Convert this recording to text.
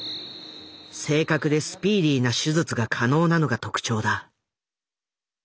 正確でスピーディーな手術が可能なのが特徴だ。